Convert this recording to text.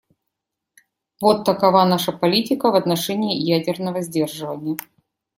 Вот такова наша политика в отношении ядерного сдерживания.